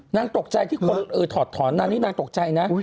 นางตกใจที่คนถอดถอนนางนี้นางตกใจนะ